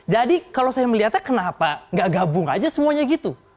jadi kalau saya melihatnya kenapa nggak gabung aja semuanya gitu